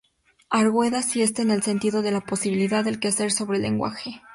Arguedas, y este en el sentido de la posibilidad del quehacer sobre el lenguaje.